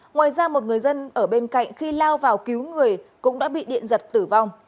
ngoài ra một người dân ở bên cạnh khi lao vào cứu người cũng đã bị điện giật tử vong